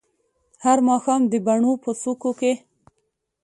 هر ماښام د بڼو په څوکو کې